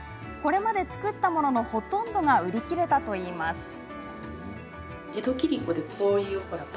これまでに作ったもののほとんどが売り切れたといいます。